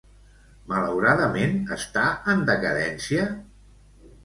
Malauradament, està en decadència?